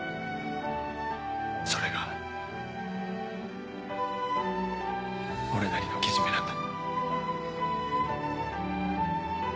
それが俺なりのケジメなんだ。